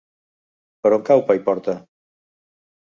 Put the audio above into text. Per on cau Paiporta?